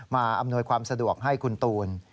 อำนวยความสะดวกให้คุณตูน